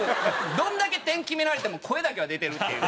どれだけ点決められても声だけは出てるっていう。